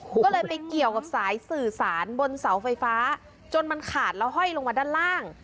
ก็เลยไปเกี่ยวกับสายสื่อสารบนเสาไฟฟ้าจนมันขาดแล้วห้อยลงมาด้านล่าง